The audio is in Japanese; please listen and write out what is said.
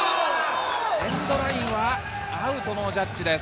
エンドラインはアウトのジャッジです。